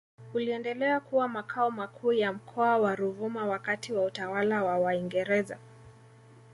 uliendelea kuwa Makao makuu ya Mkoa wa Ruvuma wakati wa utawala wa Waingereza